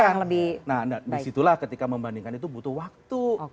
nah disitulah ketika membandingkan itu butuh waktu